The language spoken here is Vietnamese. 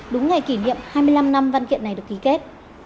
đúng ngày kỷ niệm hai mươi năm năm văn kiện này được ký kết